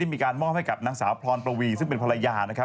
มีการมอบให้กับนางสาวพรประวีซึ่งเป็นภรรยานะครับ